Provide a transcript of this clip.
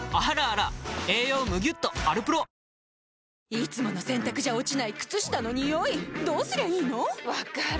いつもの洗たくじゃ落ちない靴下のニオイどうすりゃいいの⁉分かる。